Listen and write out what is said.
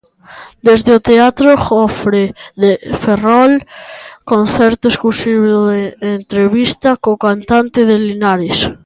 Desde o Teatro Jofre de Ferrol, concerto exclusivo e entrevista co cantante de Linares.